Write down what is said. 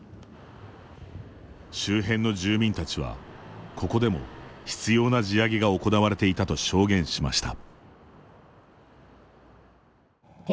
周辺の住民たちは、ここでも執ような地上げが行われていたと証言しました。